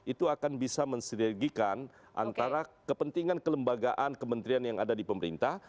itu akan bisa mensinergikan antara kepentingan kelembagaan kementerian yang ada di pemerintah